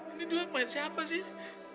ini dua yang mati siapa sih